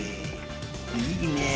いいねぇ。